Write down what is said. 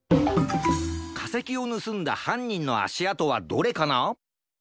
かせきをぬすんだはんにんのあしあとはどれかな？